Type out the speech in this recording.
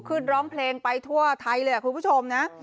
ร้องเพลงไปทั่วไทยเลยคุณผู้ชมนะ